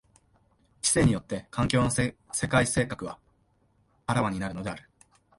知性によって環境の世界性格は顕わになるのである。